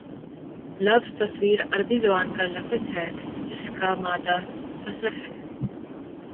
لفظ تفسیر عربی زبان کا لفظ ہے جس کا مادہ فسر ہے